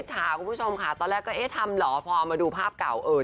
สวยขึ้นเยอะเลย